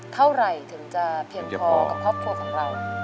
เท่าไหร่ถึงจะเพียงพอกับครอบครัวของเรา